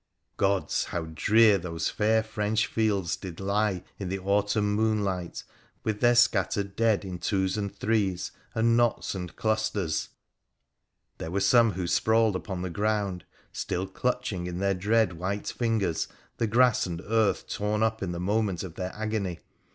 Gods ! how drear those fair French fields did lie in the autumn moonlight, with their scattered dead in twos and threes and knots and clusters ! There were some who sprawled upon the ground— still clutch ing in their dread white fingers the grass and earth torn up in the moment of their agony.